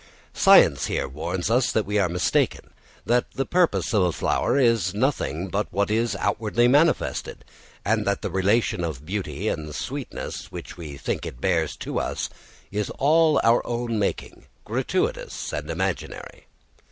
Science here warns us that we are mistaken, that the purpose of a flower is nothing but what is outwardly manifested, and that the relation of beauty and sweetness which we think it bears to us is all our own making, gratuitous and imaginary.